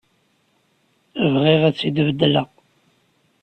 Bɣiɣ ad tt-id-beddleɣ.